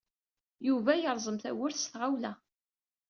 Yuba yerẓem tawwurt s tɣawla.